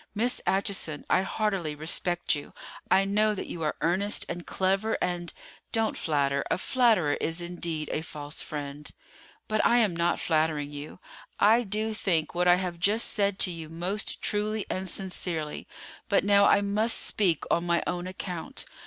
Miss Acheson, I heartily respect you. I know that you are earnest and clever, and——" "Don't flatter; a flatterer is indeed a false friend." "But I am not flattering you. I do think what I have just said to you most truly and sincerely; but now I must speak on my own account.